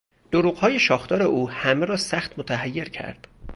دروغهای شاخدار او همه را سخت متحیر کرد.